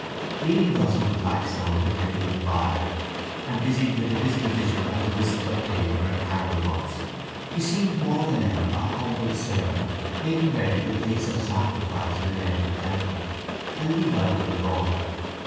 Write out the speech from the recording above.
Kneeling thus on the flagstone to kindle the fire and busied with the disposition of his wisps of paper and candle butts he seemed more than ever a humble server making ready the place of sacrifice in an empty temple, a levite of the Lord.